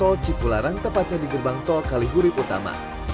jalur tol cipularang tepatnya di gerbang tol kalihuri utama